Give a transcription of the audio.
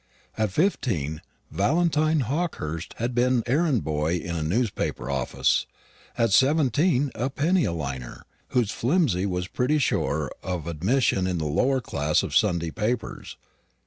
At fifteen Valentine Hawkehurst had been errand boy in a newspaper office; at seventeen a penny a liner, whose flimsy was pretty sure of admission in the lower class of Sunday papers.